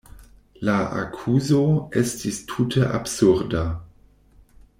La akuzo estis tute absurda.